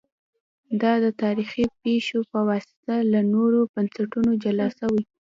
دا د تاریخي پېښو په واسطه له نورو بنسټونو جلا سوي